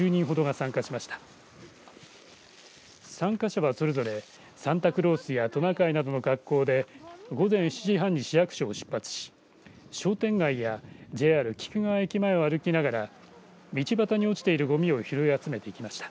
参加者はそれぞれサンタクロースやトナカイなどの格好で午前７時半に市役所を出発し商店街やＪＲ菊川駅前を歩きながら道端に落ちているごみを拾い集めていきました。